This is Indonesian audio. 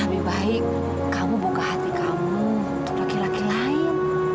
lebih baik kamu buka hati kamu untuk laki laki lain